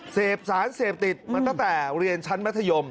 เสพสารเสพติดมาตั้งแต่เรียนชั้นมัธยม